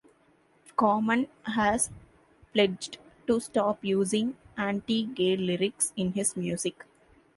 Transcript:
Common has pledged to stop using anti-gay lyrics in his music.